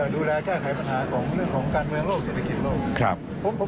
ดูแลแก้ไขปัญหาของเรื่องของการเวงโลกศิลปิศโลก